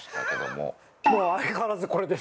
もう相変わらずこれです。